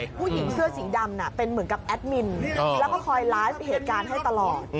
ผู้หญิงเสื้อสีดำเป็นเหมือนกับแอดมินแล้วก็คอยไลฟ์เหตุการณ์ให้ตลอด